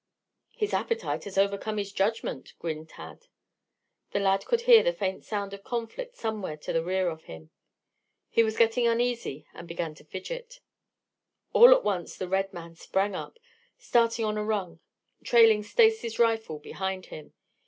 "His appetite has overcome his judgment," grinned Tad. The lad could hear the faint sound of conflict somewhere to the rear of him. He was getting uneasy and began to fidget. All at once the red man sprang up, starting on a run, trailing Stacy's rifle behind him.